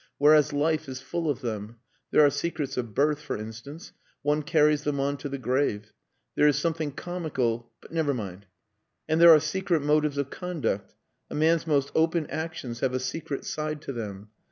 Whereas life is full of them. There are secrets of birth, for instance. One carries them on to the grave. There is something comical...but never mind. And there are secret motives of conduct. A man's most open actions have a secret side to them.